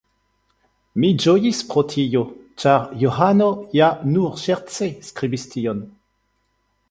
Mi ĝojis pro tio, ĉar Johano ja nur ŝerce skribis tion.